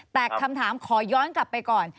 แต่คำถามขอย้อนกลับไปก่อน